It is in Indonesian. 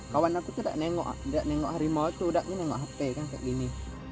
kawan aku tidak nengok harimau itu tidak nengok hp kan seperti ini